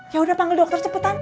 yaudah panggil dokter cepetan